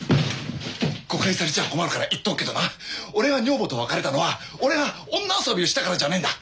誤解されちゃ困るから言っとくけどな俺が女房と別れたのは俺が女遊びをしたからじゃねえんだ